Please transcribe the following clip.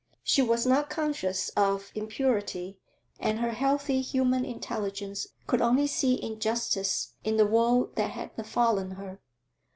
She was not conscious of impurity, and her healthy human intelligence could only see injustice in the woe that had befallen her.